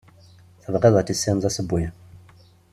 Tebɣiḍ ad tissineḍ asewwi.